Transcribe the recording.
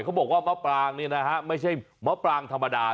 เขาบอกว่ามะปรางเนี่ยนะฮะไม่ใช่มะปรางธรรมดา